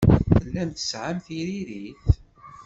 Tellam tesɛam tiririt?